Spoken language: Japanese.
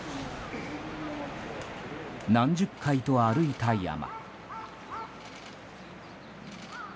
何十回と歩いた山。